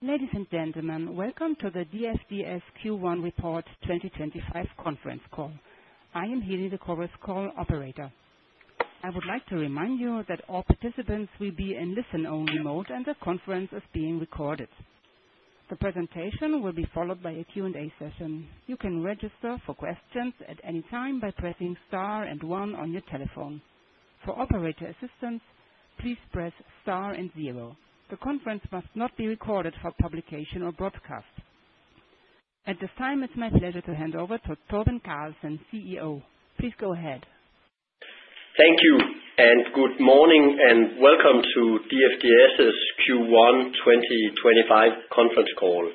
Ladies and gentlemen, welcome to the DFDS Q1 Report 2025 Conference Call. I am Helene, the Chorus Call operator. I would like to remind you that all participants will be in listen-only mode and the conference is being recorded. The presentation will be followed by a Q&A session. You can register for questions at any time by pressing star and 1 on your telephone. For operator assistance, please press star and 0. The conference must not be recorded for publication or broadcast. At this time, it's my pleasure to hand over to Torben Carlsen, CEO. Please go ahead. Thank you, and good morning, and welcome to DFDS's Q1 2025 Conference Call.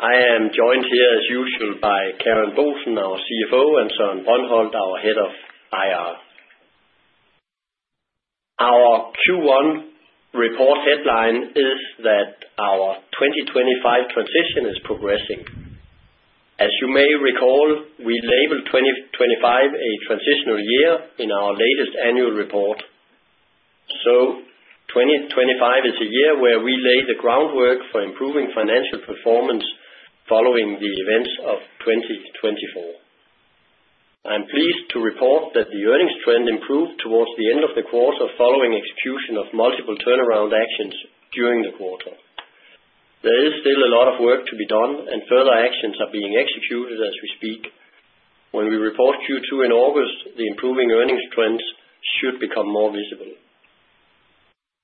I am joined here, as usual, by Karen Boesen, our CFO, and Søren Brøndholt, our Head of IR. Our Q1 report headline is that our 2025 transition is progressing. As you may recall, we labeled 2025 a transitional year in our latest annual report. 2025 is a year where we laid the groundwork for improving financial performance following the events of 2024. I'm pleased to report that the earnings trend improved towards the end of the quarter following execution of multiple turnaround actions during the quarter. There is still a lot of work to be done, and further actions are being executed as we speak. When we report Q2 in August, the improving earnings trends should become more visible.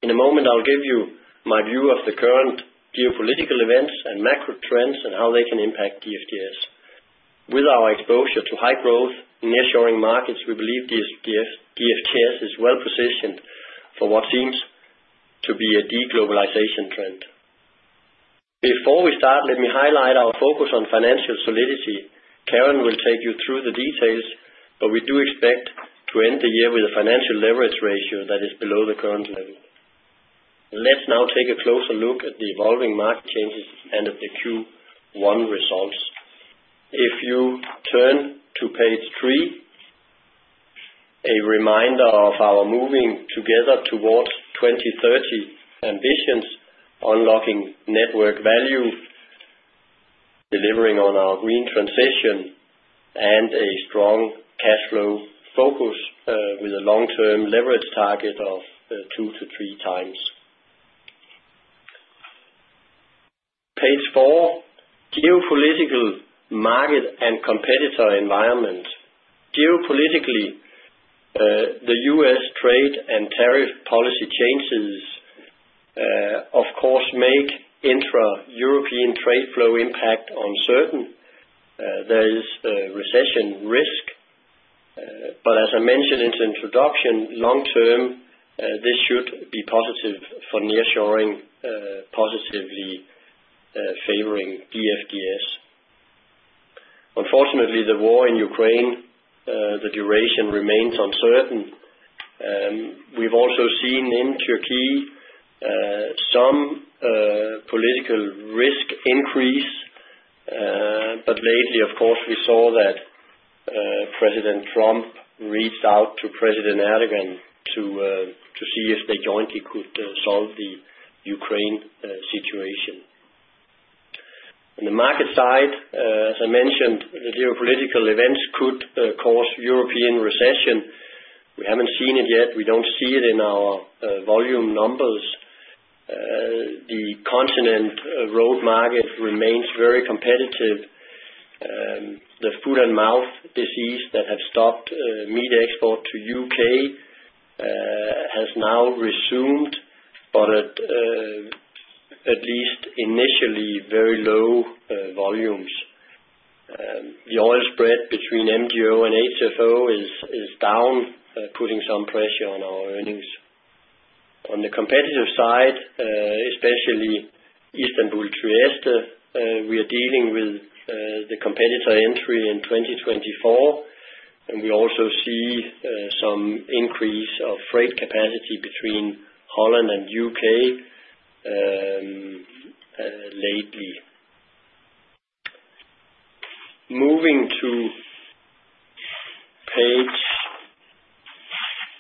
In a moment, I'll give you my view of the current geopolitical events and macro trends and how they can impact DFDS. With our exposure to high growth, near-shoring markets, we believe DFDS is well positioned for what seems to be a deglobalization trend. Before we start, let me highlight our focus on financial solidity. Karen will take you through the details, but we do expect to end the year with a financial leverage ratio that is below the current level. Let's now take a closer look at the evolving market changes and at the Q1 results. If you turn to page three, a reminder of our moving together towards 2030 ambitions, unlocking network value, delivering on our green transition, and a strong cash flow focus with a long-term leverage target of two to three times. Page four, geopolitical market and competitor environment. Geopolitically, the U.S. trade and tariff policy changes, of course, make intra-European trade flow impact uncertain. There is a recession risk, but as I mentioned in the introduction, long-term, this should be positive for near-shoring, positively favoring DFDS. Unfortunately, the war in Ukraine, the duration remains uncertain. We've also seen in Turkey some political risk increase, but lately, of course, we saw that President Trump reached out to President Erdoğan to see if they jointly could solve the Ukraine situation. On the market side, as I mentioned, the geopolitical events could cause European recession. We haven't seen it yet. We don't see it in our volume numbers. The continent road market remains very competitive. The foot and mouth disease that had stopped meat export to the U.K. has now resumed, but at least initially, very low volumes. The oil spread between MGO and HFO is down, putting some pressure on our earnings. On the competitive side, especially Istanbul-Trieste, we are dealing with the competitor entry in 2024, and we also see some increase of freight capacity between Holland and the U.K. lately. Moving to page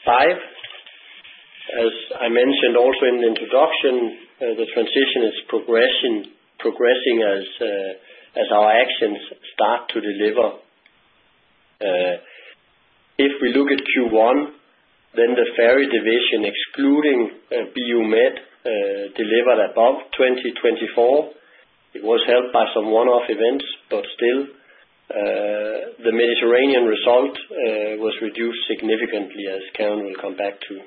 five, as I mentioned also in the introduction, the transition is progressing as our actions start to deliver. If we look at Q1, then the ferry division, excluding BU Med, delivered above 2024. It was helped by some one-off events, but still, the Mediterranean result was reduced significantly, as Karen will come back to.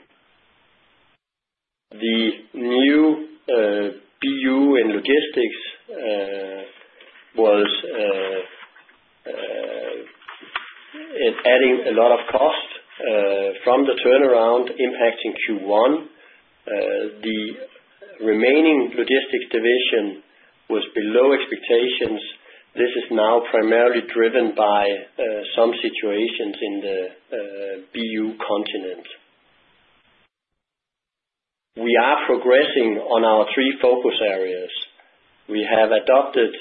The new BU in logistics was adding a lot of cost from the turnaround, impacting Q1. The remaining logistics division was below expectations. This is now primarily driven by some situations in the BU continent. We are progressing on our three focus areas. We have adapted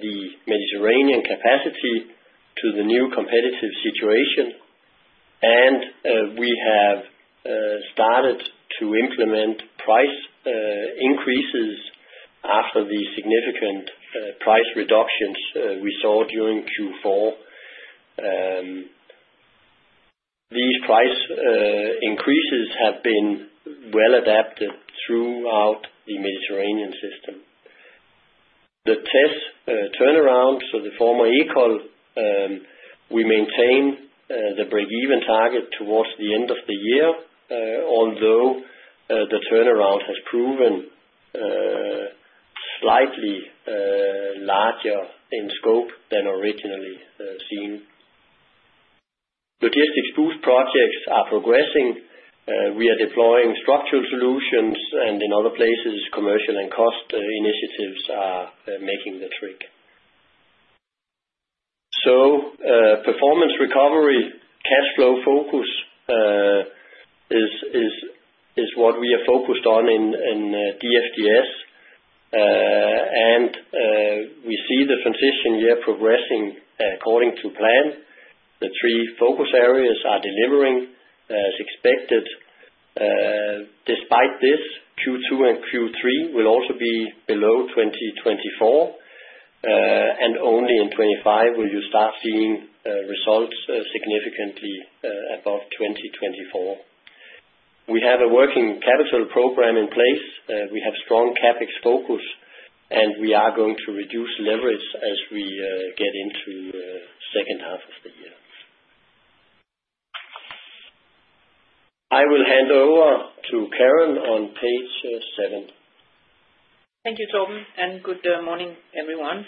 the Mediterranean capacity to the new competitive situation, and we have started to implement price increases after the significant price reductions we saw during Q4. These price increases have been well adapted throughout the Mediterranean system. The TES turnaround, so the former Ekol, we maintain the break-even target towards the end of the year, although the turnaround has proven slightly larger in scope than originally seen. Logistics boost projects are progressing. We are deploying structural solutions, and in other places, commercial and cost initiatives are making the trick. Performance recovery, cash flow focus is what we are focused on in DFDS, and we see the transition year progressing according to plan. The three focus areas are delivering as expected. Despite this, Q2 and Q3 will also be below 2024, and only in 2025 will you start seeing results significantly above 2024. We have a working capital program in place. We have strong CapEx focus, and we are going to reduce leverage as we get into the second half of the year. I will hand over to Karen on page seven. Thank you, Torben, and good morning, everyone.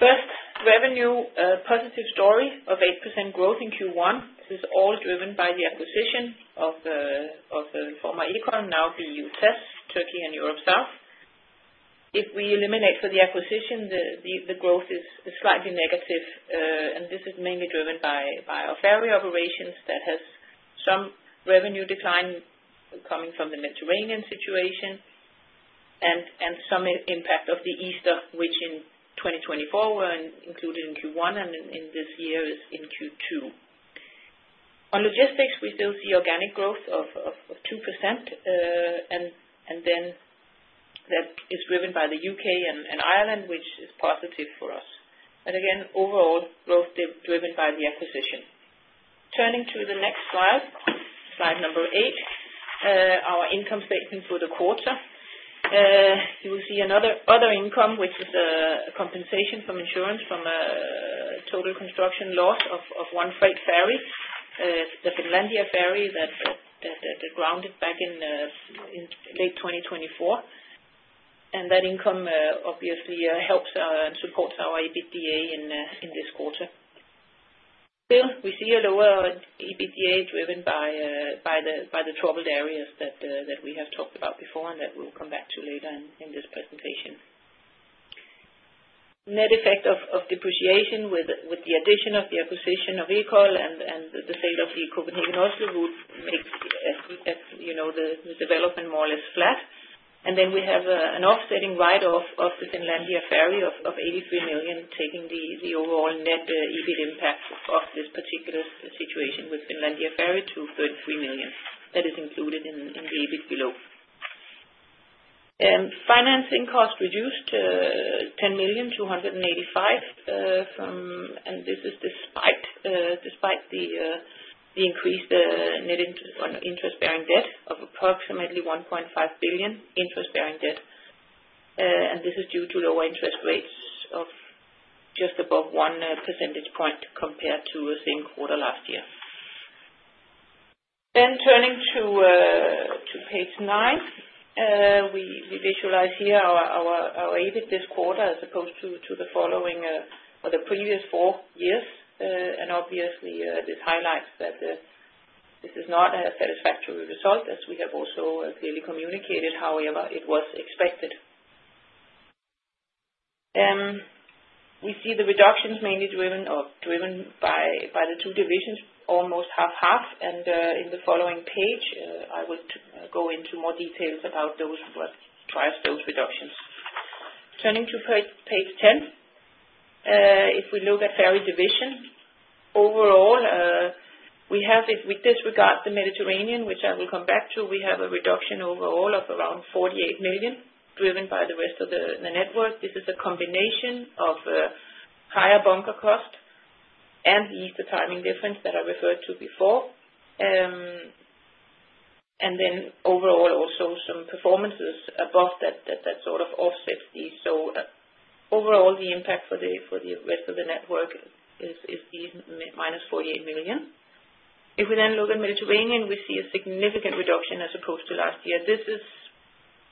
First, revenue, a positive story of 8% growth in Q1. This is all driven by the acquisition of the former Ekol, now BU TES, Turkey, and Europe South. If we eliminate for the acquisition, the growth is slightly negative, and this is mainly driven by our ferry operations that has some revenue decline coming from the Mediterranean situation and some impact of the easter, which in 2024 were included in Q1, and in this year is in Q2. On logistics, we still see organic growth of 2%, and then that is driven by the U.K. and Ireland, which is positive for us. Again, overall growth driven by the acquisition. Turning to the next slide, slide number eight, our income statement for the quarter. You will see another income, which is a compensation from insurance from a total constructive loss of one freight ferry, the Finlandia Seaways ferry that grounded back in late 2024. That income obviously helps and supports our EBITDA in this quarter. Still, we see a lower EBITDA driven by the troubled areas that we have talked about before and that we will come back to later in this presentation. Net effect of depreciation with the addition of the acquisition of Ekol and the sale of the Copenhagen-Oslo Group makes the development more or less flat. We have an offsetting write-off of the Finlandia Seaways ferry of 83 million, taking the overall net EBIT impact of this particular situation with Finlandia Seaways ferry to 33 million. That is included in the EBIT below. Financing cost reduced to 10,285, and this is despite the increased net interest-bearing debt of approximately 1.5 billion interest-bearing debt. This is due to lower interest rates of just above one percentage point compared to the same quarter last year. Turning to page nine, we visualize here our EBIT this quarter as opposed to the following or the previous four years. Obviously, this highlights that this is not a satisfactory result, as we have also clearly communicated, however, it was expected. We see the reductions mainly driven by the two divisions, almost half-half. In the following page, I will go into more details about those reductions. Turning to page ten, if we look at ferry division, overall, we have, with disregard the Mediterranean, which I will come back to, we have a reduction overall of around 48 million driven by the rest of the network. This is a combination of higher bunker cost and the Easter timing difference that I referred to before. Then overall, also some performances above that sort of offsets these. Overall, the impact for the rest of the network is minus 48 million. If we then look at Mediterranean, we see a significant reduction as opposed to last year. This is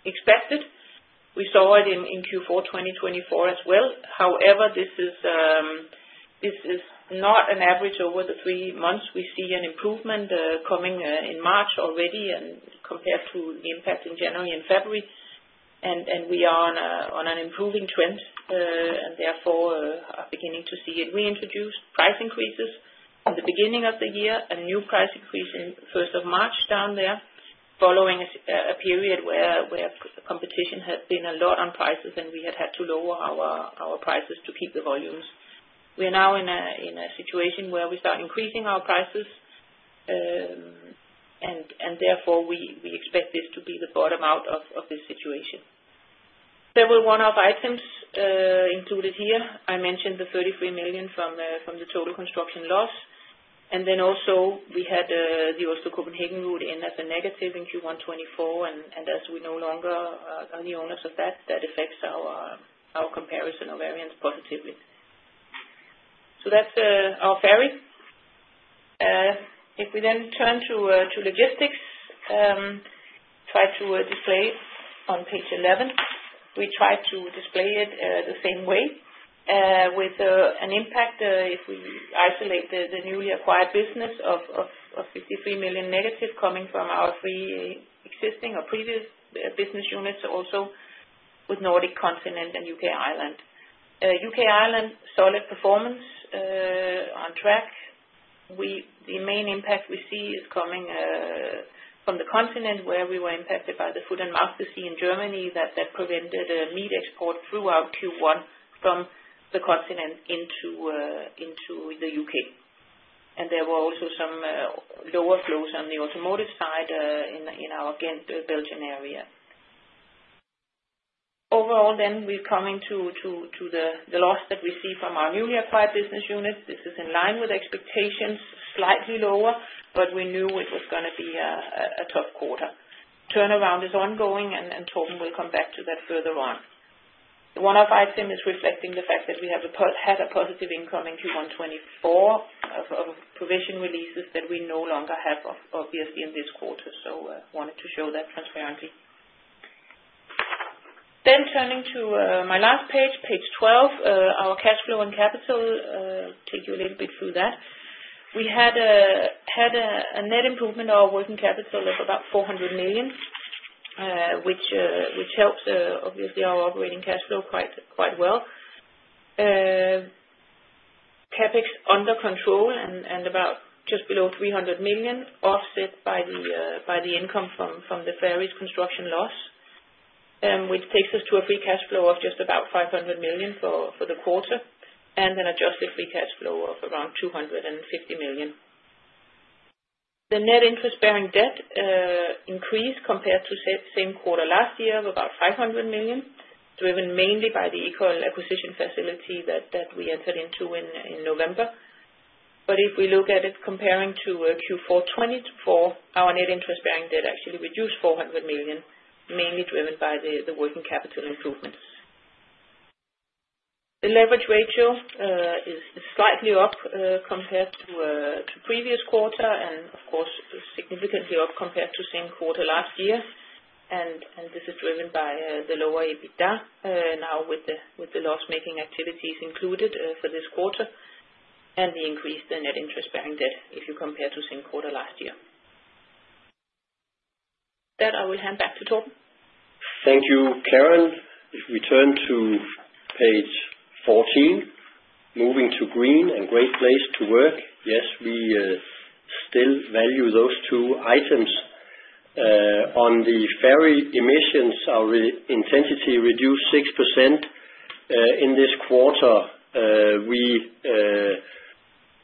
expected. We saw it in Q4 2024 as well. However, this is not an average over the three months. We see an improvement coming in March already and compared to the impact in January and February. We are on an improving trend and therefore are beginning to see it reintroduced. Price increases in the beginning of the year, a new price increase in the first of March down there, following a period where competition had been a lot on prices and we had had to lower our prices to keep the volumes. We are now in a situation where we start increasing our prices, and therefore we expect this to be the bottom out of this situation. Several one-off items included here. I mentioned the 33 million from the total constructive loss. And then also we had the Oslo-Copenhagen route end up in negative in Q1 2024, and as we no longer are the owners of that, that affects our comparison of variance positively. So that's our ferry. If we then turn to logistics, try to display it on page 11. We tried to display it the same way with an impact if we isolate the newly acquired business of 53 million negative coming from our three existing or previous business units, also with Nordic, Continent, and U.K. Ireland. U.K. Ireland, solid performance on track. The main impact we see is coming from the Continent where we were impacted by the foot and mouth disease in Germany that prevented meat export throughout Q1 from the Continent into the U.K. There were also some lower flows on the automotive side in our Ghent-Belgian area. Overall, then we are coming to the loss that we see from our newly acquired business units. This is in line with expectations, slightly lower, but we knew it was going to be a tough quarter. Turnaround is ongoing, and Torben will come back to that further on. The one-off item is reflecting the fact that we had a positive income in Q1 2024 of provision releases that we no longer have, obviously, in this quarter, so I wanted to show that transparently. Turning to my last page, page 12, our cash flow and capital, take you a little bit through that. We had a net improvement of our working capital of about 400 million, which helped, obviously, our operating cash flow quite well. CapEx under control and about just below 300 million, offset by the income from the ferry's construction loss, which takes us to a free cash flow of just about 500 million for the quarter and an adjusted free cash flow of around 250 million. The net interest-bearing debt increased compared to same quarter last year of about 500 million, driven mainly by the Ekol acquisition facility that we entered into in November. If we look at it comparing to Q4 2024, our net interest-bearing debt actually reduced 400 million, mainly driven by the working capital improvements. The leverage ratio is slightly up compared to previous quarter and, of course, significantly up compared to same quarter last year. This is driven by the lower EBITDA now with the loss-making activities included for this quarter and the increased net interest-bearing debt if you compare to same quarter last year. That I will hand back to Torben. Thank you, Karen. If we turn to page 14, moving to green and great place to work. Yes, we still value those two items. On the ferry emissions, our intensity reduced 6% in this quarter. We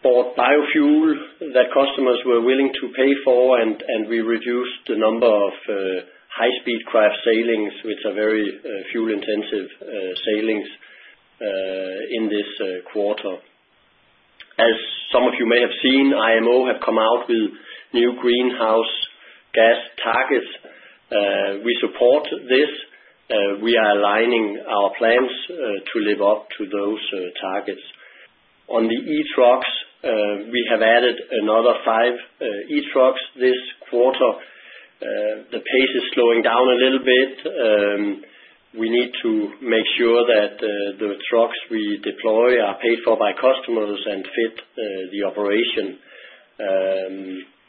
bought biofuel that customers were willing to pay for, and we reduced the number of high-speed craft sailings, which are very fuel-intensive sailings in this quarter. As some of you may have seen, IMO have come out with new greenhouse gas targets. We support this. We are aligning our plans to live up to those targets. On the E-trucks, we have added another five E-trucks this quarter. The pace is slowing down a little bit. We need to make sure that the trucks we deploy are paid for by customers and fit the operation.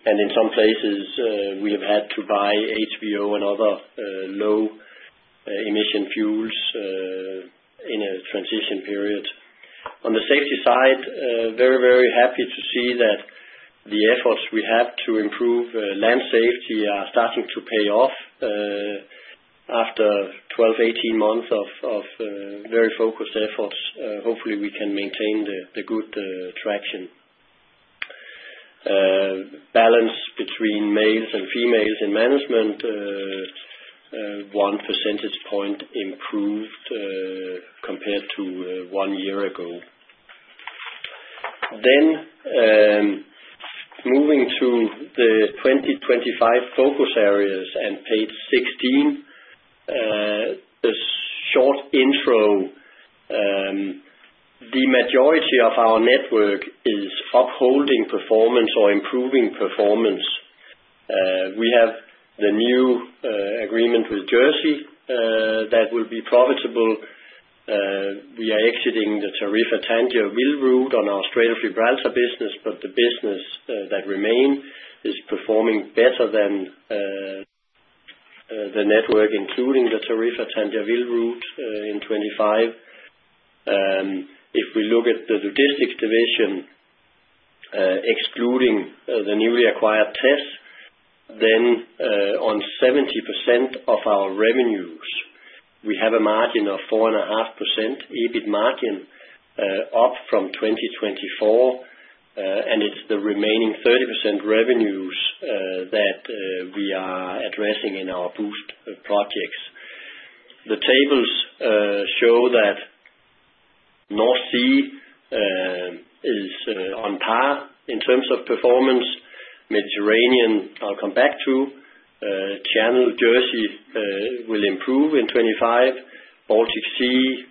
In some places, we have had to buy HVO and other low-emission fuels in a transition period. On the safety side, very, very happy to see that the efforts we have to improve land safety are starting to pay off after 12-18 months of very focused efforts. Hopefully, we can maintain the good traction. Balance between males and females in management, one percentage point improved compared to one year ago. Moving to the 2025 focus areas and page 16, the short intro. The majority of our network is upholding performance or improving performance. We have the new agreement with Jersey that will be profitable. We are exiting the Tarifa-Tangier Ville route on our Strait of Gibraltar business, but the business that remains is performing better than the network, including the Tarifa-Tangier Ville route in 2025. If we look at the logistics division, excluding the newly acquired TES, then on 70% of our revenues, we have a margin of 4.5% EBIT margin up from 2024, and it's the remaining 30% revenues that we are addressing in our boost projects. The tables show that North Sea is on par in terms of performance. Mediterranean, I'll come back to. Channel Jersey will improve in 2025. Baltic Sea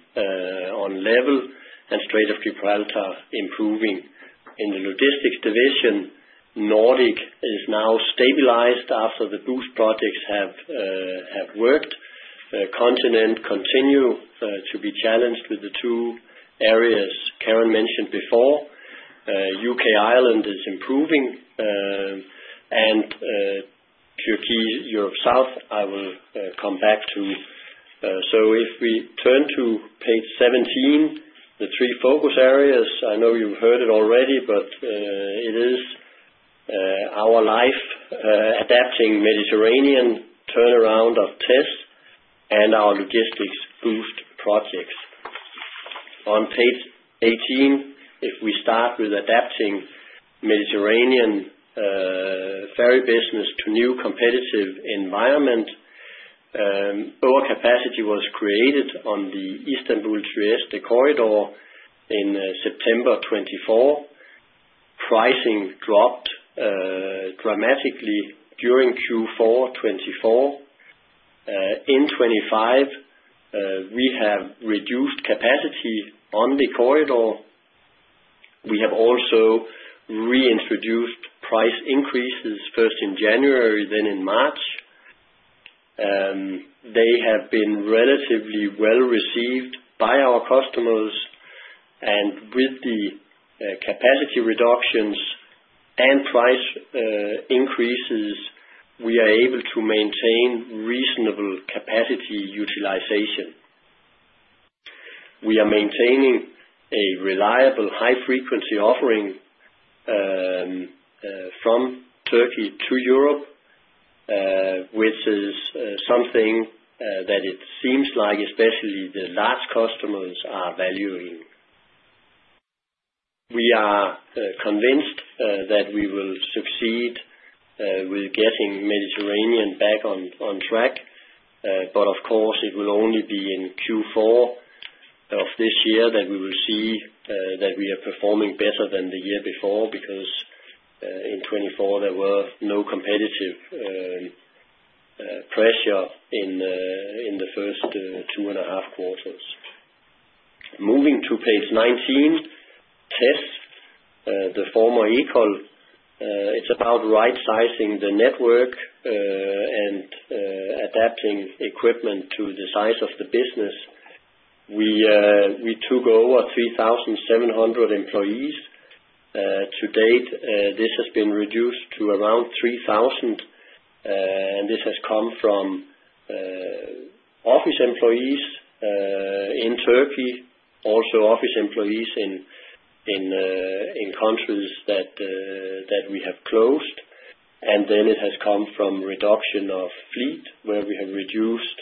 on level and Strait of Gibraltar improving. In the logistics division, Nordic is now stabilized after the boost projects have worked. Continent continue to be challenged with the two areas Karen mentioned before. U.K. Ireland is improving. And Turkey, Europe South, I will come back to. If we turn to page 17, the three focus areas, I know you've heard it already, but it is our life adapting Mediterranean turnaround of TES and our logistics boost projects. On page 18, if we start with adapting Mediterranean ferry business to new competitive environment, overcapacity was created on the Istanbul-Trieste corridor in September 2024. Pricing dropped dramatically during Q4 2024. In 2025, we have reduced capacity on the corridor. We have also reintroduced price increases, first in January, then in March. They have been relatively well received by our customers. With the capacity reductions and price increases, we are able to maintain reasonable capacity utilization. We are maintaining a reliable high-frequency offering from Turkey to Europe, which is something that it seems like especially the large customers are valuing. We are convinced that we will succeed with getting Mediterranean back on track. Of course, it will only be in Q4 of this year that we will see that we are performing better than the year before because in 2024, there were no competitive pressure in the first two and a half quarters. Moving to page 19, TES, the former Ekol, it's about right-sizing the network and adapting equipment to the size of the business. We took over 3,700 employees to date. This has been reduced to around 3,000. This has come from office employees in Turkey, also office employees in countries that we have closed. It has come from reduction of fleet where we have reduced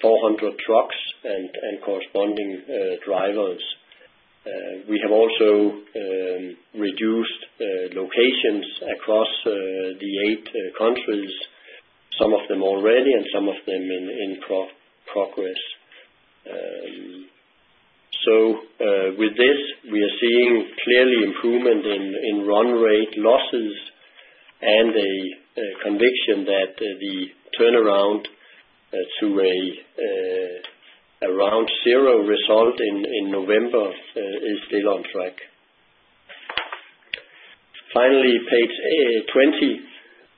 400 trucks and corresponding drivers. We have also reduced locations across the eight countries, some of them already and some of them in progress. With this, we are seeing clearly improvement in run rate losses and a conviction that the turnaround to a round zero result in November is still on track. Finally, page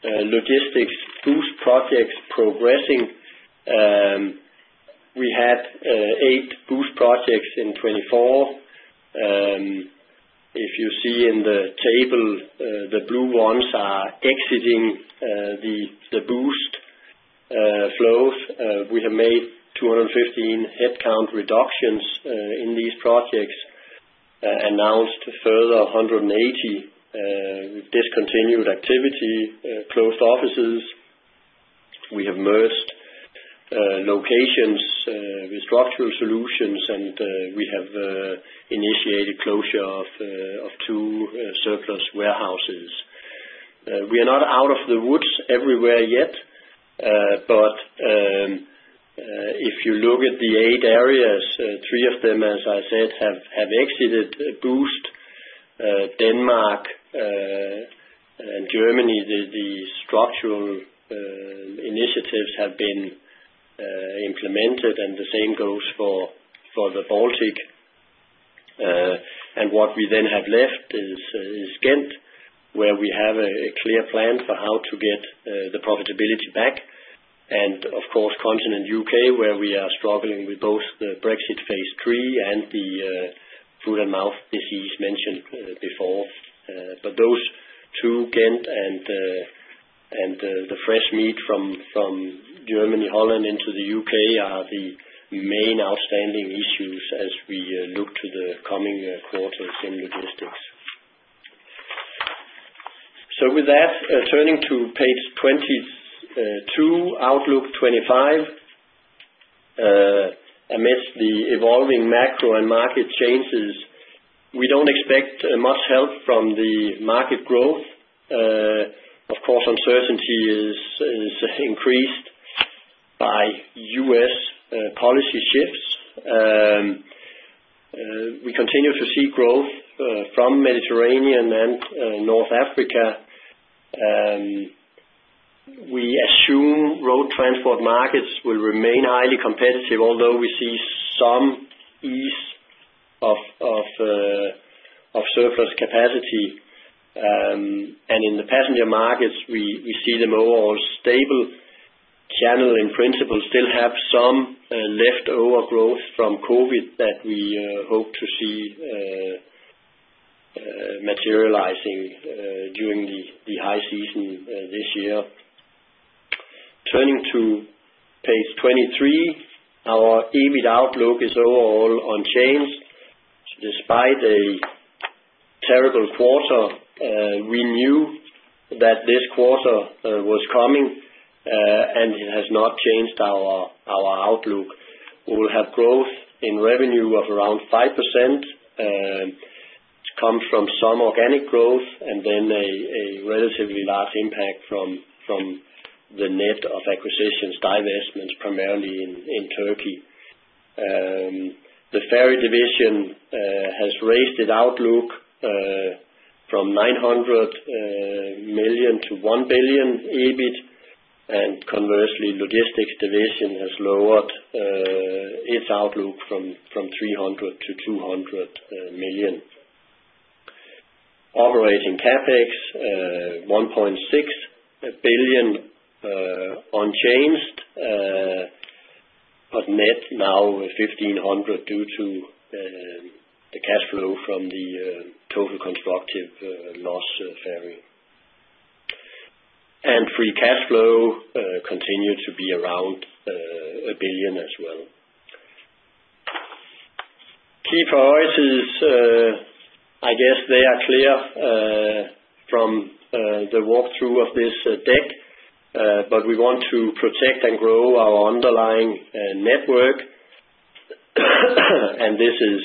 20, logistics boost projects progressing. We had eight boost projects in 2024. If you see in the table, the blue ones are exiting the boost flows. We have made 215 headcount reductions in these projects, announced further 180 with discontinued activity, closed offices. We have merged locations with structural solutions, and we have initiated closure of two surplus warehouses. We are not out of the woods everywhere yet, but if you look at the eight areas, three of them, as I said, have exited boost. Denmark and Germany, the structural initiatives have been implemented, and the same goes for the Baltic. What we then have left is Ghent, where we have a clear plan for how to get the profitability back. Of course, continent U.K., where we are struggling with both the Brexit phase three and the foot and mouth disease mentioned before. Those two, Ghent and the fresh meat from Germany, Holland into the U.K., are the main outstanding issues as we look to the coming quarters in logistics. With that, turning to page 22, outlook 2025, amidst the evolving macro and market changes, we do not expect much help from the market growth. Of course, uncertainty is increased by U.S. policy shifts. We continue to see growth from Mediterranean and North Africa. We assume road transport markets will remain highly competitive, although we see some ease of surplus capacity. In the passenger markets, we see them overall stable. Channel, in principle, still have some leftover growth from COVID that we hope to see materializing during the high season this year. Turning to page 23, our EBIT outlook is overall unchanged. Despite a terrible quarter, we knew that this quarter was coming, and it has not changed our outlook. We will have growth in revenue of around 5%. It comes from some organic growth and then a relatively large impact from the net of acquisitions, divestments, primarily in Turkey. The ferry division has raised its outlook from 900 million to 1 billion EBIT, and conversely, logistics division has lowered its outlook from 300 million to 200 million. Operating CapEx, 1.6 billion unchanged, but net now 1.5 billion due to the cash flow from the total constructive loss ferry. And free cash flow continued to be around 1 billion as well. Key priorities, I guess they are clear from the walkthrough of this deck, but we want to protect and grow our underlying network. This is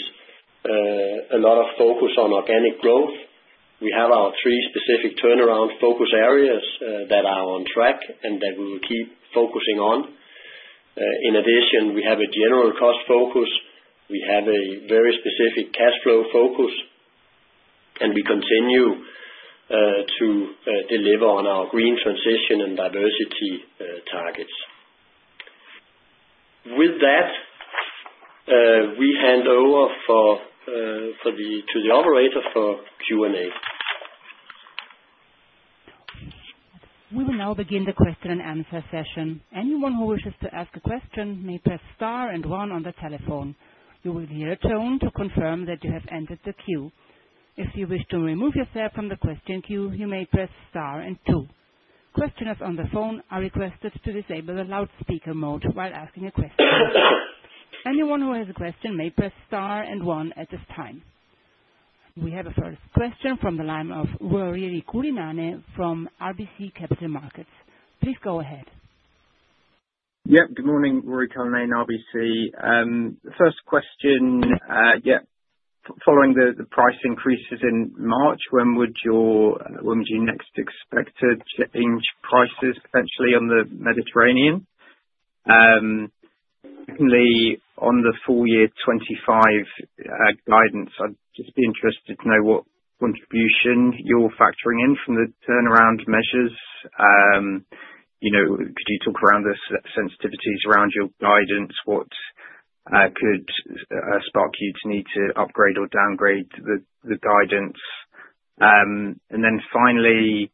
a lot of focus on organic growth. We have our three specific turnaround focus areas that are on track and that we will keep focusing on. In addition, we have a general cost focus. We have a very specific cash flow focus, and we continue to deliver on our green transition and diversity targets. With that, we hand over to the operator for Q&A. We will now begin the question and answer session. Anyone who wishes to ask a question may press star and 1 on the telephone. You will hear a tone to confirm that you have entered the queue. If you wish to remove yourself from the question queue, you may press star and 2. Questioners on the phone are requested to disable the loudspeaker mode while asking a question. Anyone who has a question may press star and 1 at this time. We have a first question from the line of Ruairi Cullinane from RBC Capital Markets. Please go ahead. Yep, good morning, Rory Cullinan, RBC. First question, yep, following the price increases in March, when would you next expect to change prices potentially on the Mediterranean? Secondly, on the full year 2025 guidance, I'd just be interested to know what contribution you're factoring in from the turnaround measures. Could you talk around the sensitivities around your guidance? What could spark you to need to upgrade or downgrade the guidance? And then finally,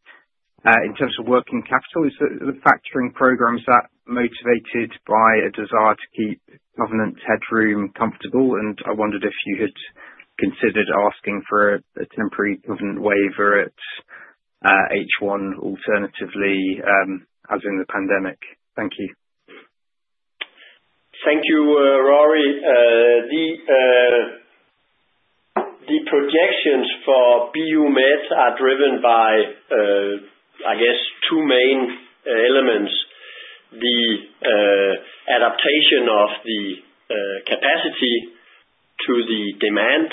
in terms of working capital, is the factoring programs that motivated by a desire to keep governance headroom comfortable? I wondered if you had considered asking for a temporary government waiver at H1 alternatively as in the pandemic. Thank you. Thank you, Ruairi. The projections for BU Med are driven by, I guess, two main elements: the adaptation of the capacity to the demand,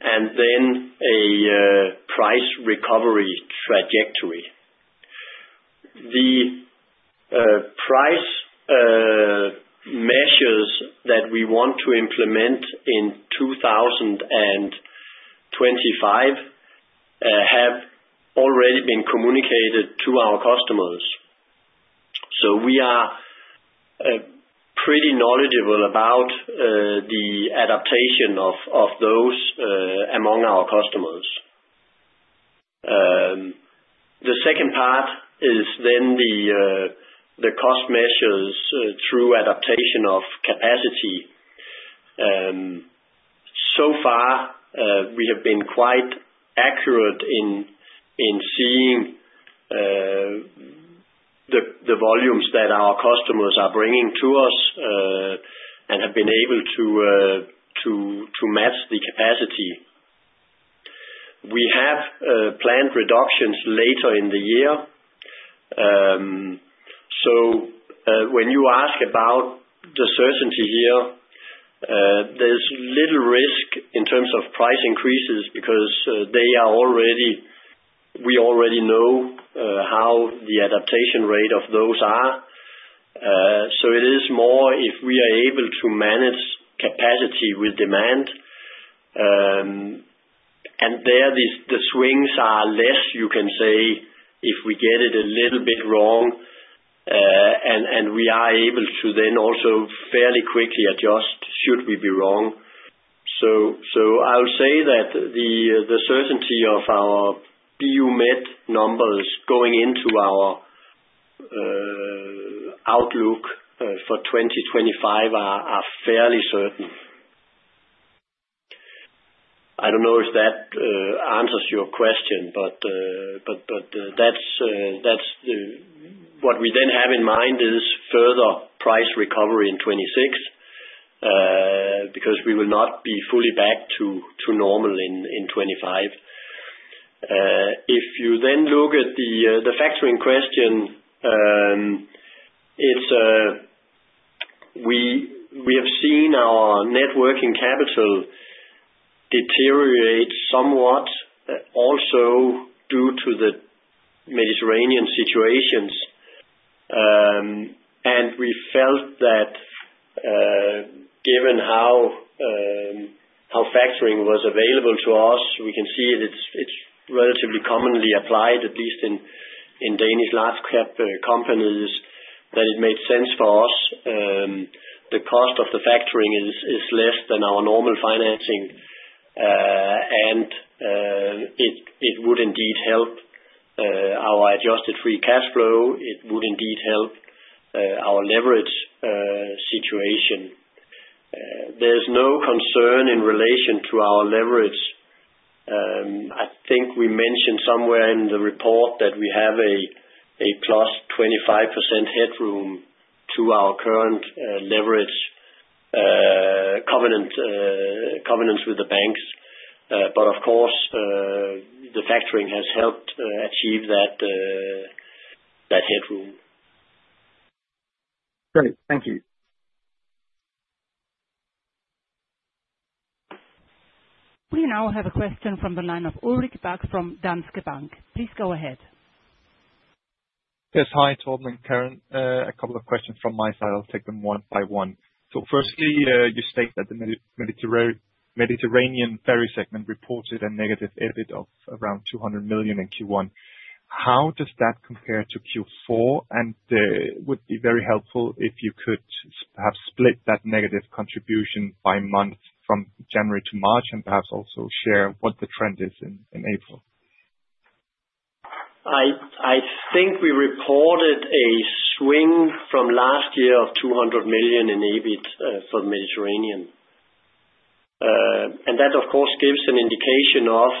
and then a price recovery trajectory. The price measures that we want to implement in 2025 have already been communicated to our customers. We are pretty knowledgeable about the adaptation of those among our customers. The second part is then the cost measures through adaptation of capacity. So far, we have been quite accurate in seeing the volumes that our customers are bringing to us and have been able to match the capacity. We have planned reductions later in the year. When you ask about the certainty here, there's little risk in terms of price increases because we already know how the adaptation rate of those are. It is more if we are able to manage capacity with demand. There, the swings are less, you can say, if we get it a little bit wrong, and we are able to then also fairly quickly adjust should we be wrong. I'll say that the certainty of our BU Med numbers going into our outlook for 2025 are fairly certain. I don't know if that answers your question, but that's what we then have in mind is further price recovery in 2026 because we will not be fully back to normal in 2025. If you then look at the factoring question, we have seen our working capital deteriorate somewhat also due to the Mediterranean situations. We felt that given how factoring was available to us, we can see it's relatively commonly applied, at least in Danish large-cap companies, that it made sense for us. The cost of the factoring is less than our normal financing, and it would indeed help our adjusted free cash flow. It would indeed help our leverage situation. There's no concern in relation to our leverage. I think we mentioned somewhere in the report that we have a plus 25% headroom to our current leverage covenants with the banks. Of course, the factoring has helped achieve that headroom. Great. Thank you. We now have a question from the line of Ulrik Berg from Danske Bank. Please go ahead. Yes. Hi, Torben and Karen. A couple of questions from my side. I'll take them one by one. Firstly, you state that the Mediterranean ferry segment reported a negative EBIT of around 200 million in Q1. How does that compare to Q4? It would be very helpful if you could perhaps split that negative contribution by month from January to March and perhaps also share what the trend is in April. I think we reported a swing from last year of 200 million in EBIT for the Mediterranean. That, of course, gives an indication of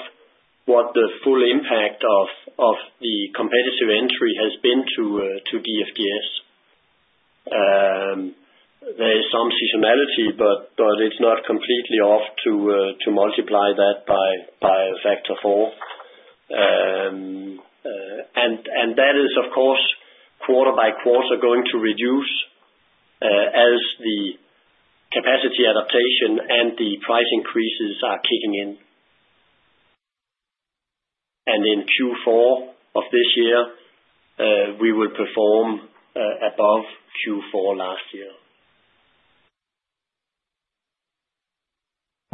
what the full impact of the competitive entry has been to DFDS. There is some seasonality, but it is not completely off to multiply that by a factor of four. That is, of course, quarter by quarter going to reduce as the capacity adaptation and the price increases are kicking in. In Q4 of this year, we will perform above Q4 last year.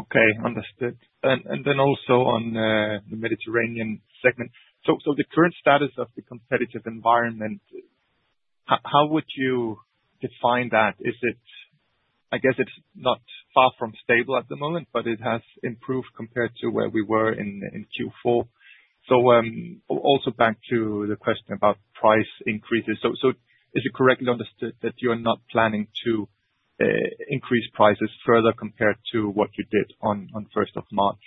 Okay. Understood. On the Mediterranean segment, the current status of the competitive environment, how would you define that? I guess it's not far from stable at the moment, but it has improved compared to where we were in Q4. Also, back to the question about price increases. Is it correctly understood that you are not planning to increase prices further compared to what you did on 1st of March?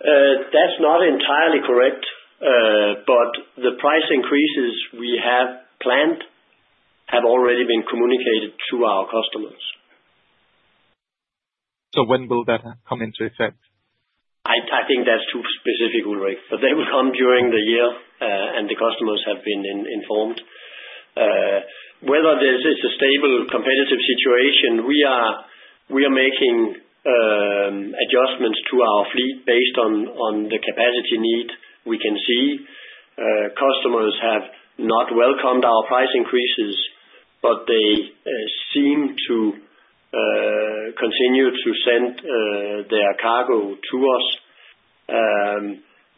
That's not entirely correct. The price increases we have planned have already been communicated to our customers. When will that come into effect? I think that's too specific, Ulrik, but they will come during the year, and the customers have been informed. Whether this is a stable competitive situation, we are making adjustments to our fleet based on the capacity need we can see. Customers have not welcomed our price increases, but they seem to continue to send their cargo to us.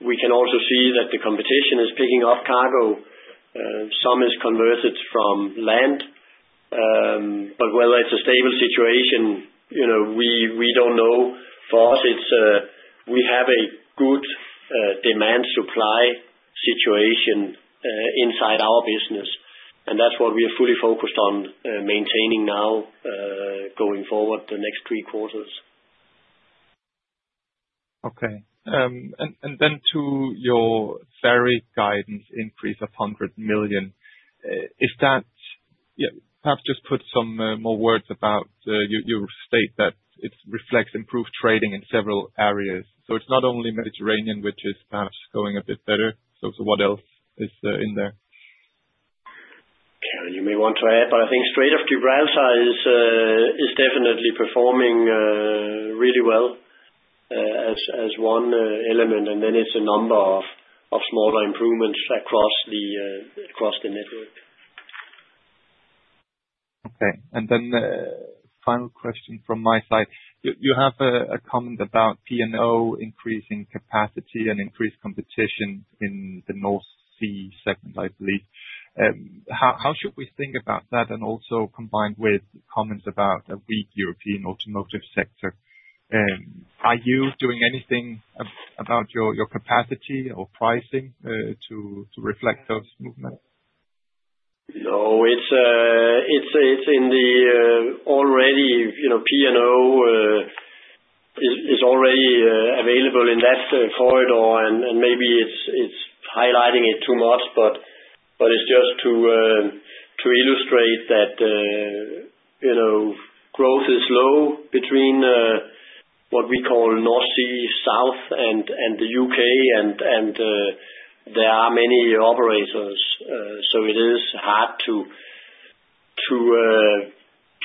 We can also see that the competition is picking up cargo. Some is converted from land. Whether it's a stable situation, we don't know. For us, we have a good demand-supply situation inside our business, and that's what we are fully focused on maintaining now going forward the next three quarters. Okay. To your ferry guidance increase of 100 million, perhaps just put some more words about your statement that it reflects improved trading in several areas. It's not only Mediterranean, which is perhaps going a bit better. What else is in there? Karen, you may want to add, but I think straight off, Gibraltar is definitely performing really well as one element, and then it's a number of smaller improvements across the network. Okay. Then final question from my side. You have a comment about P&O increasing capacity and increased competition in the North Sea segment, I believe. How should we think about that and also combined with comments about a weak European automotive sector? Are you doing anything about your capacity or pricing to reflect those movements? No. P&O is already available in that corridor, and maybe it is highlighting it too much, but it is just to illustrate that growth is low between what we call North Sea South and the U.K., and there are many operators. It is hard to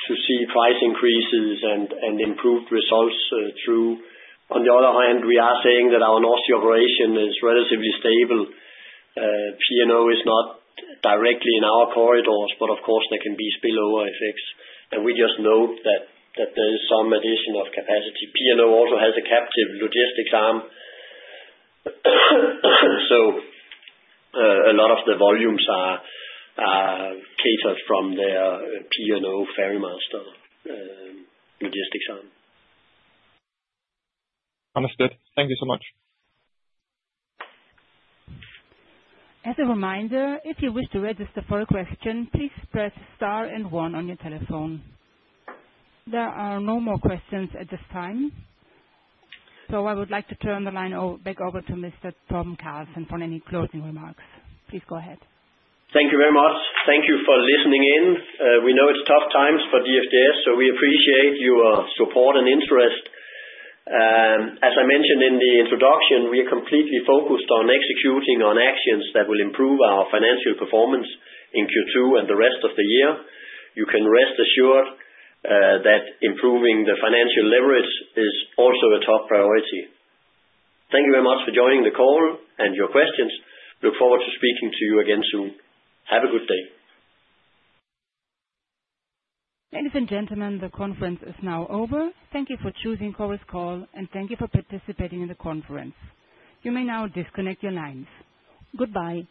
see price increases and improved results through. On the other hand, we are saying that our North Sea operation is relatively stable. P&O is not directly in our corridors, but of course, there can be spillover effects. We just note that there is some addition of capacity. P&O also has a captive logistics arm, so a lot of the volumes are catered from their P&O Ferrymaster logistics arm. Understood. Thank you so much. As a reminder, if you wish to register for a question, please press star and 1 on your telephone. There are no more questions at this time. I would like to turn the line back over to Mr. Torben Carlsen for any closing remarks. Please go ahead. Thank you very much. Thank you for listening in. We know it's tough times for DFDS, so we appreciate your support and interest. As I mentioned in the introduction, we are completely focused on executing on actions that will improve our financial performance in Q2 and the rest of the year. You can rest assured that improving the financial leverage is also a top priority. Thank you very much for joining the call and your questions. Look forward to speaking to you again soon. Have a good day. Ladies and gentlemen, the conference is now over. Thank you for choosing Chorus Call, and thank you for participating in the conference. You may now disconnect your lines. Goodbye.